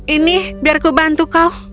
ini biar ku bantu kau